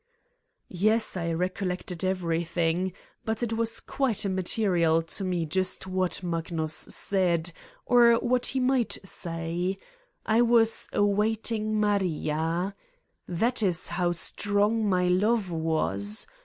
Yes, I recollected everything but it was quite immaterial to me just what Magnus said or what he might say : I was awaiting Maria, That is how strong my love was!